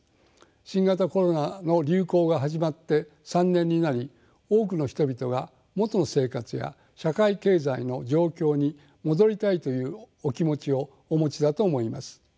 新型コロナの流行が始まって３年になり多くの人々が元の生活や社会経済の状況に戻りたいというお気持ちをお持ちだと思います。